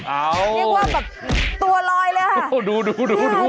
เอ้าโอ้โฮเรียกว่าแบบตัวลอยเลยค่ะ